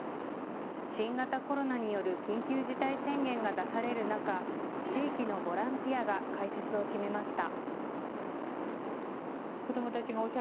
新型コロナによる緊急事態宣言が出される中、地域のボランティアが開設を決めました。